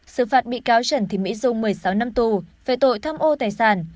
sự phạt bị cáo trần thị mỹ dung một mươi sáu năm tù về tội tham ô tài sản